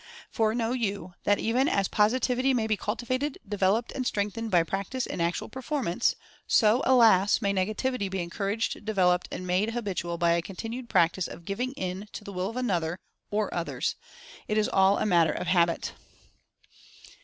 For know you, that even as Positivity may be culti vated, developed and strengthened by practice and actual performance, so (alas!) may Negativity be en couraged, developed, and made habitual by a continued practice of "giving in" to the Will of another, or others, — it is all a matter of habit.